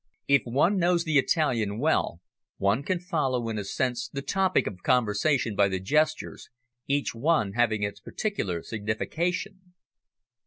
If one knows the Italian well, one can follow in a sense the topic of conversation by the gestures, each one having its particular signification.